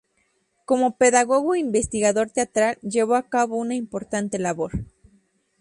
Como pedagogo e investigador teatral llevó a cabo una importante labor.